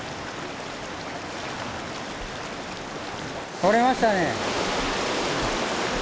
とれましたね。